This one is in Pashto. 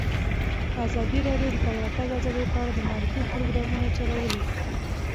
ازادي راډیو د د تګ راتګ ازادي په اړه د معارفې پروګرامونه چلولي.